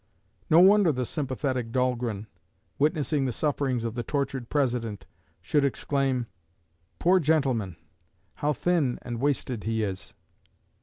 No wonder the sympathetic Dahlgren, witnessing the sufferings of the tortured President, should exclaim: "Poor gentleman! How thin and wasted he is!"